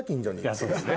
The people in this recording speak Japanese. そうですね。